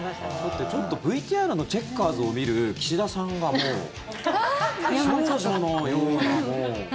ちょっとＶＴＲのチェッカーズを見る岸田さんがもう少女のような。